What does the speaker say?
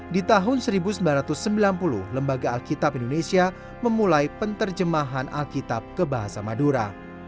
di tahun seribu sembilan ratus sembilan puluh lembaga alkitab indonesia memulai penerjemahan alkitab ke bahasa madura